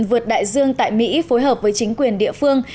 vượt đại dương tại mỹ phối hợp với chính quyền địa phương